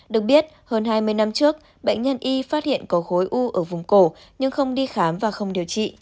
được biết hơn hai mươi năm trước bệnh nhân y phát hiện có khối u ở vùng cổ nhưng không đi khám và không điều trị